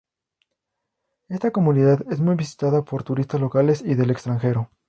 Esta comunidad es muy visitada por turistas locales y del extranjero.